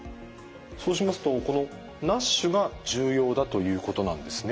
そうしますとこのＮＡＳＨが重要だということなんですね。